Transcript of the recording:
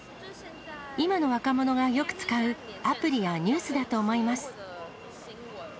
今の若者がよく使うアプリやニュースだと思います。